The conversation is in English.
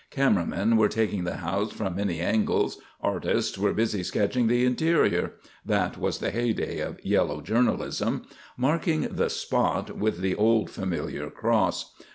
Camera men were taking the house from many angles; artists were busy sketching the interior that was the heyday of "yellow journalism" marking the "spot" with the old familiar cross.